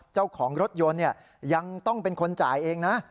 เจ้าของรถยนต์ยังต้องเป็นคนจ่ายเองนะ